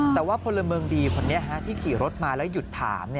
แต่ว่าพลเมืองดีคนนี้ที่ขี่รถมาแล้วหยุดถาม